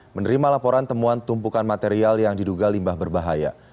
menerima laporan temuan tumpukan material yang diduga limbah berbahaya